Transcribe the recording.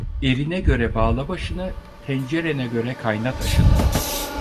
Erine göre bağla başını, tencerene göre kaynat aşını.